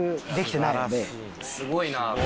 すごいな。